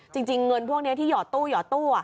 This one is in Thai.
จริงเงินพวกนี้ที่หย่อตู้ตู้